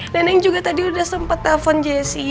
neneng juga tadi udah sempet telfon jessy